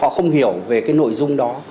họ không hiểu về cái nội dung đó